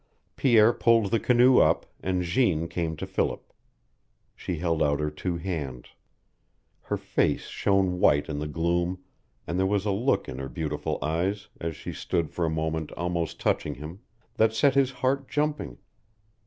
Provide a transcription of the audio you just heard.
Pierre pulled the canoe up, and Jeanne came to Philip. She held out her two hands. Her face shone white in the gloom, and there was a look in her beautiful eyes, as she stood for a moment almost touching him, that set his heart jumping.